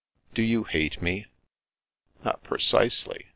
Do you hate me?" Not precisely.